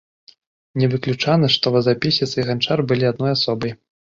Не выключана, што вазапісец і ганчар былі адной асобай.